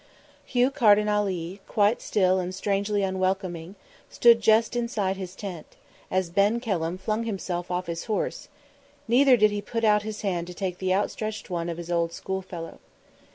Hugh Carden Ali, quite still and strangely unwelcoming, stood just inside his tent; as Ben Kelham flung himself off his horse; neither did he put out his hand to take the outstretched one of his old school fellow.